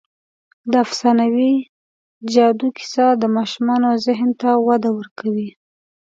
د افسانوي جادو کیسه د ماشومانو ذهن ته وده ورکوي.